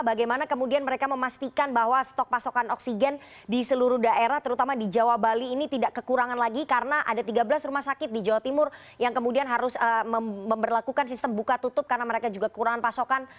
bagaimana kemudian mereka memastikan bahwa stok pasokan oksigen di seluruh daerah terutama di jawa bali ini tidak kekurangan lagi karena ada tiga belas rumah sakit di jawa timur yang kemudian harus memperlakukan sistem buka tutup karena mereka juga kekurangan pasokan